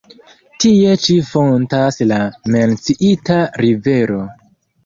Tie ĉi fontas la menciita rivero.